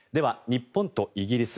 日本とイギリス